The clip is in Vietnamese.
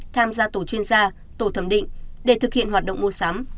tham gia tổ chuyên gia tổ thẩm định để thực hiện hoạt động mua sắm